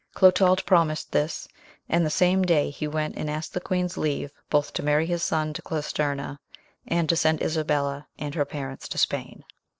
Clotald promised this, and the same day he went and asked the queen's leave both to marry his son to Clesterna, and to send Isabella and her parents to Spain.